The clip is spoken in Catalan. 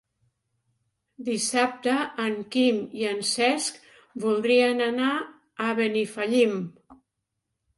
Dissabte en Quim i en Cesc voldrien anar a Benifallim.